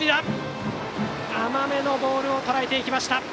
甘めのボールをとらえていきました。